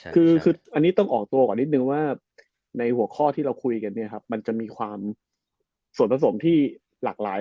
คืออันนี้ต้องออกตัวก่อนนิดนึงว่าในหัวข้อที่เราคุยกันเนี่ยครับมันจะมีความส่วนผสมที่หลากหลาย